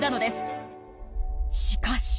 しかし。